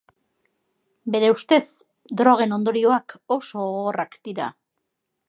Bere ustez, drogen ondorioak oso gogorrak dira.